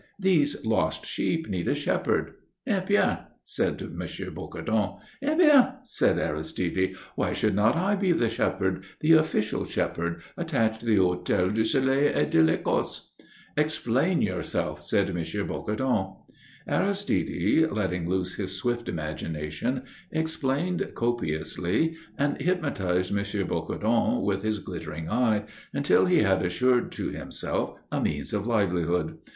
These lost sheep need a shepherd." "Eh bien?" said M. Bocardon. "Eh bien," said Aristide. "Why should not I be the shepherd, the official shepherd attached to the Hôtel du Soleil et de l'Ecosse?" "Explain yourself," said M. Bocardon. Aristide, letting loose his swift imagination, explained copiously, and hypnotized M. Bocardon with his glittering eye, until he had assured to himself a means of livelihood.